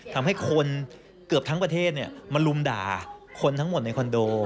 ทำให้คนเกือบทั้งประเทศมาลุมด่าคนทั้งหมดในคอนโด